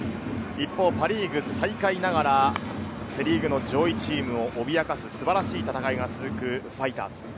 一方、パ・リーグ最下位ながら、セ・リーグの上位チームを脅かす、素晴らしい戦いが続くファイターズ。